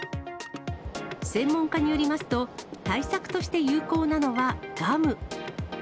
専門家によりますと、対策として有効なのはガム。